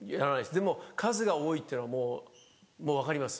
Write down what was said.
でも数が多いっていうのはもう分かります